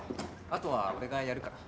あとは俺がやるから。